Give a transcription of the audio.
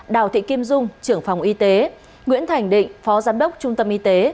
đào thị kim dung trưởng phòng y tế nguyễn thành định phó giám đốc trung tâm y tế